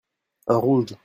Un rouge.